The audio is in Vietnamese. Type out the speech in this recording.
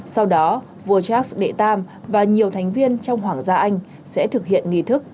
sau đó vua charles đệ tam và nhiều thành viên trong hoàng gia anh sẽ thực hiện nghỉ thức